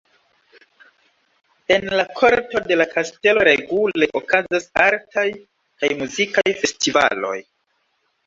En la korto de la kastelo regule okazas artaj kaj muzikaj festivaloj.